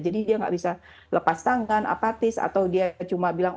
jadi dia nggak bisa lepas tangan apatis atau dia cuma bilang